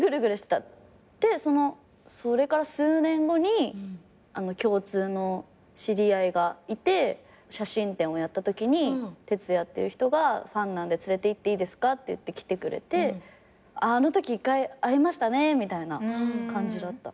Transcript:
でそれから数年後に共通の知り合いがいて写真展をやったときに「てつやっていう人がファンなんで連れていっていいですか？」って言って来てくれて「あのとき１回会いましたね」みたいな感じだった。